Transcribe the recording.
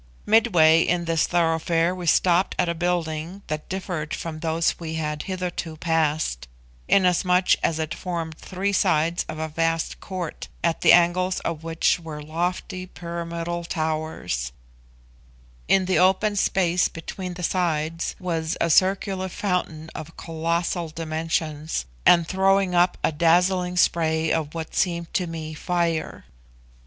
Midway in this thoroughfare we stopped at a building that differed from those we had hitherto passed, inasmuch as it formed three sides of a vast court, at the angles of which were lofty pyramidal towers; in the open space between the sides was a circular fountain of colossal dimensions, and throwing up a dazzling spray of what seemed to me fire.